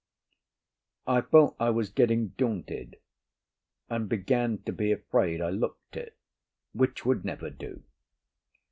I felt I was getting daunted, and began to be afraid I looked it, which would never do.